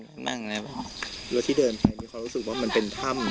ที่เดินไปมีความรู้สึกว่ามันเป็นถ้ำ